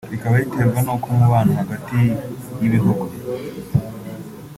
rikaba riterwa n’uko umubano hagati y’ibihugu